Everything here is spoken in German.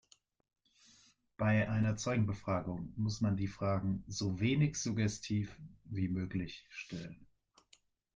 Bei einer Zeugenbefragung muss man die Fragen so wenig suggestiv wie möglich stellen.